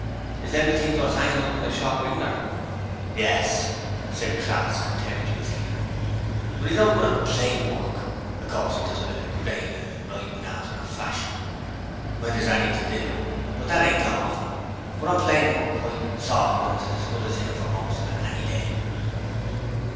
'Is them the things wot's 'angin' up in the shop winder?' 'Yes!' said Crass, contemptuously. 'But 'e's no good on plain work. Of course 'e does a bit of grainin' an' writin' after a fashion when there's any to do, and that ain't often, but on plain work, why, Sawkins is as good as 'im for most of it, any day!'